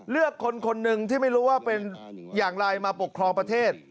เลือกคนคนหนึ่งที่ไม่รู้ว่าเป็นอย่างไรมาปกครองประเทศ